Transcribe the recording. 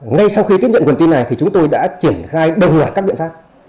ngay sau khi tiếp nhận quyền tin này thì chúng tôi đã triển khai đồng hòa các biện pháp